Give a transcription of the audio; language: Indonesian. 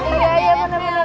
iya iya bener bener